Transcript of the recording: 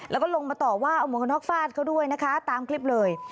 แล้วก็ลงมาต่อว่าเอาหมวกกันน็อกฟาดเขาด้วยนะคะตามคลิปเลย